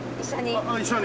一緒に。